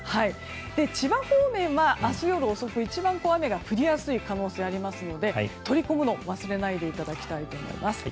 千葉方面は明日夜遅く一番、雨が降る可能性がありますので取り込むのを忘れないでいただきたいと思います。